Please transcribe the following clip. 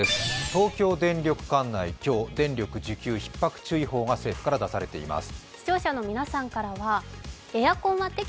東京電力管内、今日、電力需給ひっ迫注意報が政府から出されています。